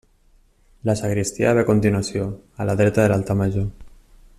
La sagristia ve a continuació, a la dreta de l'altar major.